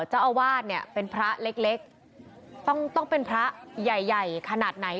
เจ้าอาวาสเนี่ยเป็นพระเล็กต้องเป็นพระใหญ่ใหญ่ขนาดไหน